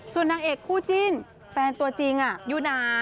ส่วนนางเอกคู่จิ้นแฟนตัวจริงอยู่นาน